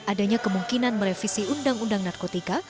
adanya kemungkinan merevisi undang undang narkotika